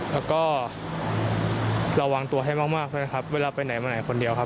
แล้วก็ระวังตัวให้มากด้วยนะครับเวลาไปไหนมาไหนคนเดียวครับ